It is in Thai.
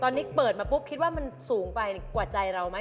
ตอนนี้เปิดมาปุ๊บคิดว่ามันสูงไปกว่าใจเราไหม